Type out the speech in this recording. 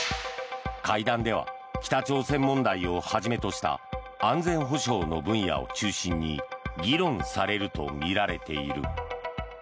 会談では北朝鮮問題をはじめとした安全保障の分野を中心に議論されるとみられている。